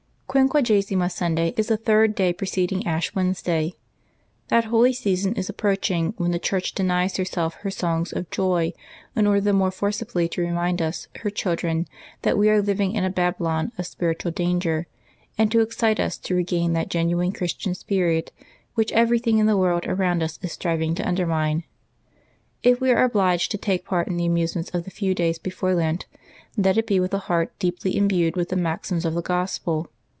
QUINQUAGESIMA SuNDAY is the third day preceding Ash Wednesday. That holy season is approaching when the Church denies herself her songs of joy in order the more forcibly to remind ns, her children, that we are living in a Babylon of spiritual danger, and to excite us to regain that genuine Christian spirit which everything in the world around us is striving to undermine. If we are obliged to take part in the amusements of the few days before Lent, let it be with a heart deeply imbued with the maxims of the Gospel.